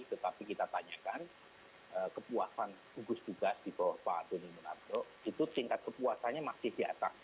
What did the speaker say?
tetapi kita tanyakan kepuasan gugus tugas di bawah pak doni monardo itu tingkat kepuasannya masih di atas